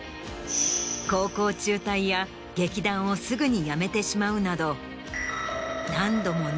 高校中退や劇団をすぐに辞めてしまうなど。